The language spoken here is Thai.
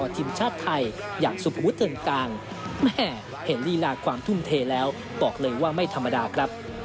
ทีมชาติไทยอย่างสุภวุฒิเตือนการแม่เห็นลีลาความทุ่มเทแล้วบอกเลยว่าไม่ธรรมดาครับ